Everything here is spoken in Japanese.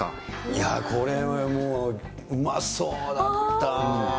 いや、これもう、うまそうだった。